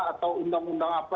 atau undang undang apa